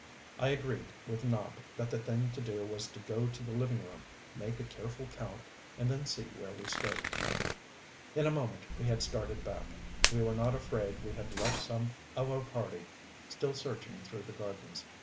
I agreed with Nopp that the thing to do was to go to the living room, make a careful count, and then see where we stood. In a moment we had started back. We were not afraid we had left some of our party still searching through the gardens.